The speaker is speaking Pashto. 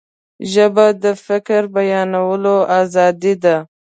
ژبه د فکر بیانولو آزادي ده